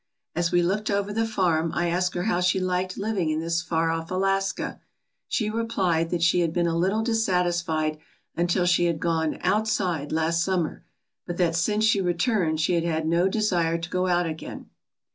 As we looked over the farm I asked her how she liked living in this far off Alaska, She replied that she had been a little dissatisfied until she had gone "outside" last summer, but that since she returned she had had no desire to go out again.